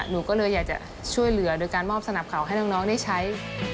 หนูก็เลยอยากจะช่วยเหลือโดยการมอบสนับเขาให้น้องได้ใช้